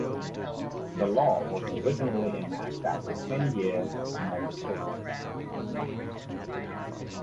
The law was originally enacted as a ten-year moratorium.